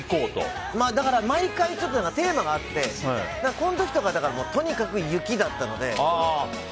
毎回、テーマがあってこの時とかとにかく雪だったので。